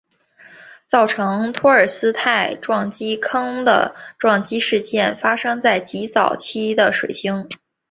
造成托尔斯泰撞击坑的撞击事件发生在极早期的水星。